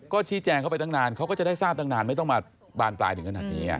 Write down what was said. ก็ชี้แจงเข้าไปตั้งนานเขาก็จะได้ทราบตั้งนานไม่ต้องมาบานปลายถึงขนาดนี้